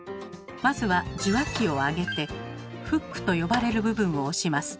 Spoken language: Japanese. まずは受話器をあげてフックと呼ばれる部分を押します。